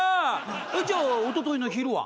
じゃあおとといの昼は？